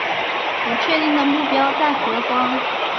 不确定的目标在何方